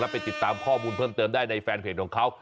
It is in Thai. ไปติดตามข้อมูลเพิ่มเติมได้ในแฟนเพจของเขา